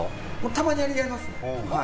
たまにやりますね。